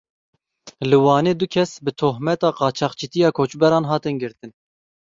Li Wanê du kes bi tohmeta qaçaxçîtiya koçberan hatin girtin.